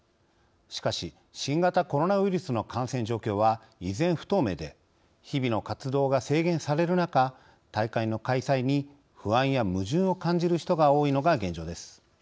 しかし新型コロナウイルスの感染状況は依然不透明で日々の活動が制限される中大会の開催に不安や矛盾を感じる人が多いのが現状です。